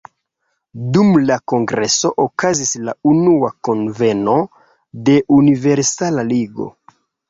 Dum la kongreso okazis la unua kunveno de "Universala Ligo".